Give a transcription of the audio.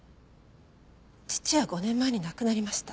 父は５年前に亡くなりました。